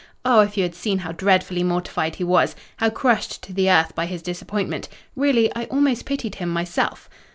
Oh, if you had seen how dreadfully mortified he was—how crushed to the earth by his disappointment! really, I almost pitied him myself.